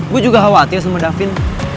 gue juga khawatir sama davin